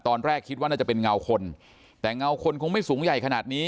ตอนแรกคิดว่าน่าจะเป็นเงาคนแต่เงาคนคงไม่สูงใหญ่ขนาดนี้